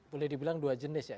boleh dibilang dua jenis ya